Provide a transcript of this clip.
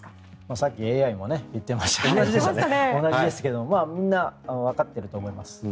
さっきＡＩも言ってましたが同じですけどみんなわかっていると思います。